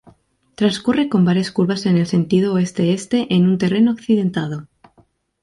Transcurre con varias curvas en el sentido Oeste-Este en un terreno accidentado.